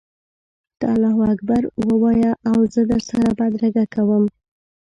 ته الله اکبر ووایه او زه در سره بدرګه کوم.